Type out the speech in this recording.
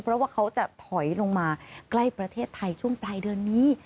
เพราะว่าเขาจะถอยลงมาใกล้ประเทศไทยช่วงปลายเดือนนี้